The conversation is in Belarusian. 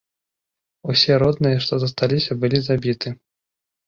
Усе родныя, што засталіся былі забіты.